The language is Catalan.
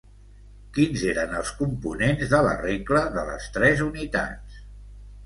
Quins eren els components de la regla de les «tres unitats»?